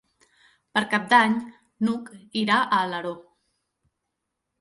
Per Cap d'Any n'Hug irà a Alaró.